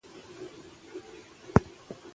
خپله ژبه مو وساتئ ترڅو ژوندي پاتې شئ.